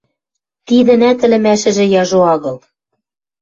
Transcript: Тидӹнӓт ӹлӹмӓшӹжӹ яжо агыл.